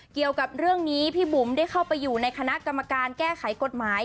เกี่ยวกับเรื่องนี้พี่บุ๋มได้เข้าไปอยู่ในคณะกรรมการแก้ไขกฎหมาย